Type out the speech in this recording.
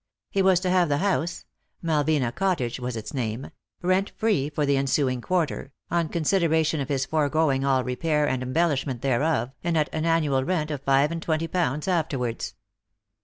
He was to have the house — Malvina Cottage was its name — rent free for the ensuing quarter, on consideration of his foregoing all repair and em bellishment thereof, and at an annual rent of five and twenty pounds afterwards.